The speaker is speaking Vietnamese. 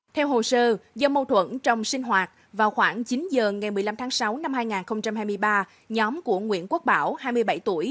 theo hồ sơ do mâu thuẫn trong sinh hoạt vào khoảng chín giờ ngày một mươi năm tháng sáu năm hai nghìn hai mươi ba nhóm của nguyễn quốc bảo hai mươi bảy tuổi